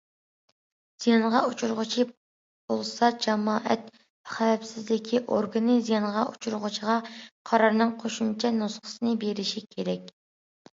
زىيانغا ئۇچرىغۇچى بولسا، جامائەت خەۋپسىزلىكى ئورگىنى زىيانغا ئۇچرىغۇچىغا قارارنىڭ قوشۇمچە نۇسخىسىنى بېرىشى كېرەك.